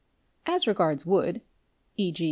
As regards wood, ¢.g.